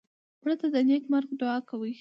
مړه ته د نیک مرګ دعا کوو